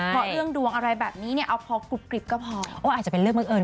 เพราะเรื่องดวงอะไรแบบนี้เนี่ยพอกลุบกริบก็พอ